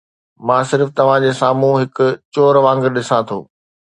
مان صرف توهان جي سامهون هڪ چور وانگر ڏسان ٿو.